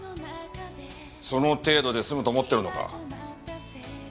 その程度で済むと思ってるのか。